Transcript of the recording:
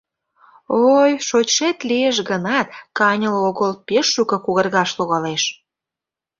— О-ой, шочшет лиеш гынат, каньыле огыл, пеш шуко когаргаш логалеш.